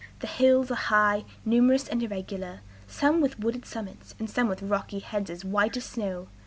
The hills are high, numerous, and irregular, some with wooded summits, and some with rocky heads as white as snow.